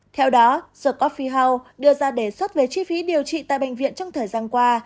theo đó the cophie house đưa ra đề xuất về chi phí điều trị tại bệnh viện trong thời gian qua